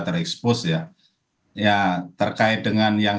terekspos ya terkait dengan yang